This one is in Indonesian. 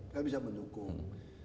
masih bisa mendukung